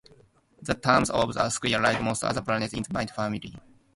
The stems are square, like most other plants in the mint family.